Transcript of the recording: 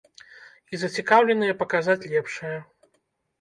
І зацікаўленыя паказаць лепшае.